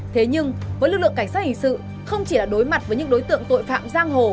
thế nhưng với lực lượng cảnh sát hình sự không chỉ là đối mặt với những đối tượng tội phạm giang hồ